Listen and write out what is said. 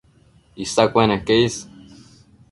Isa cueneque is